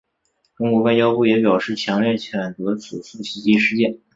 中国外交部也表示强烈谴责此次袭击事件。